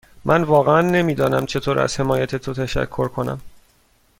من واقعا نمی دانم چطور از حمایت تو تشکر کنم.